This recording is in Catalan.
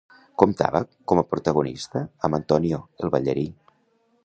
Comptava com a protagonista amb Antonio, el ballarí.